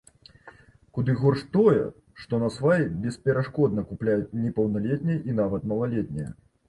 Куды горш тое, што насвай бесперашкодна купляюць непаўналетнія і нават малалетнія.